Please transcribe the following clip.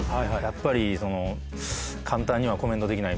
やっぱりその簡単にはコメントできない